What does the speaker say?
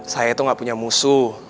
saya itu gak punya musuh